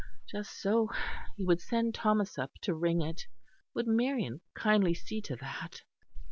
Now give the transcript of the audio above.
Just so, he would send Thomas up to ring it. Would Marion kindly see to that?